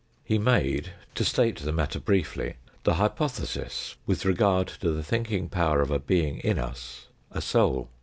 He made, to state the matter briefly, the hypothesis with regard to the thinking power of a being in us, a " soul."